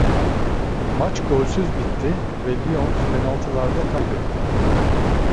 Maç golsüz bitti ve Lions penaltılarda kaybetti.